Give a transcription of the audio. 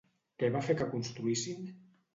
Què va fer que construïssin?